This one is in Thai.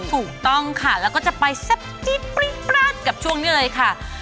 ถูกต้องค่ะแล้วก็จะไปแซ่บจิ๊ดปรี๊ดป๊าดกับช่วงนี้เลยค่ะ